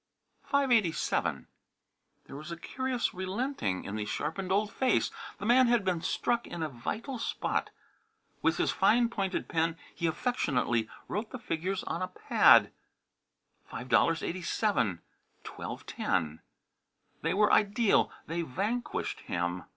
"Five eighty seven." There was a curious relenting in the sharpened old face. The man had been struck in a vital spot. With his fine pointed pen he affectionately wrote the figures on a pad: "$5.87 12:10." They were ideal; they vanquished him.